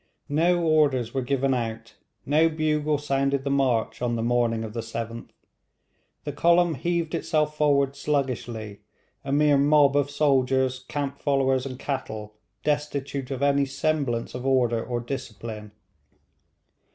No orders were given out, no bugle sounded the march, on the morning of the 7th. The column heaved itself forward sluggishly, a mere mob of soldiers, camp followers and cattle, destitute of any semblance of order or discipline.